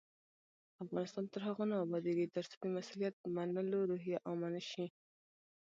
افغانستان تر هغو نه ابادیږي، ترڅو د مسؤلیت منلو روحیه عامه نشي.